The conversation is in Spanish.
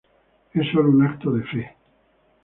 Es sólo un acto de fe.